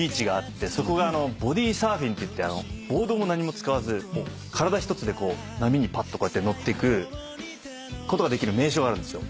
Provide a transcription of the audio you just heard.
そこがボディーサーフィンっていってボードも何も使わず体一つで波にぱっと乗ってくことができる名所があるんですよ。